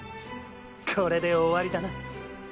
これで終わりだな！